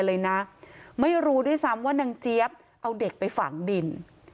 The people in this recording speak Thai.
เลยนะไม่รู้ด้วยซ้ำว่านางเจี๊ยบเอาเด็กไปฝังดิน